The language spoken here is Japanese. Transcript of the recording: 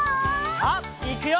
さあいくよ！